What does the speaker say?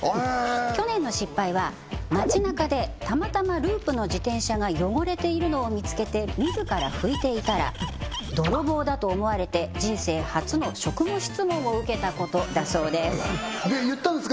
去年の失敗は街なかでたまたまループの自転車が汚れているのを見つけて自ら拭いていたら泥棒だと思われて人生初の職務質問を受けたことだそうです言ったんですか？